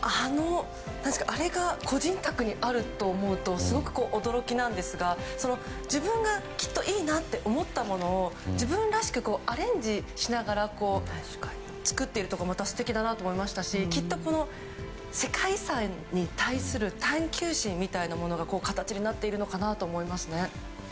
あれが個人宅にあると思うとすごく驚きなんですが自分がきっといいなと思ったものを自分らしくアレンジしながら作っているところがまた素敵だなと思いましたしきっと、世界遺産に対する探求心みたいなものが形になっているのかなと思いますね。